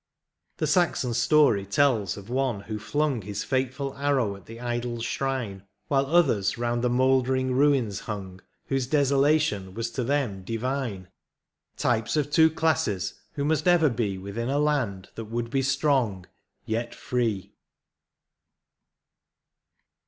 The Saxon story tells of one who flung His fateful arrow at the idol's shrine, While others round the mouldering ruins hung, Whose desolation was to them divine : Types of two classes who must ever be Within a land that would be strong, yet free.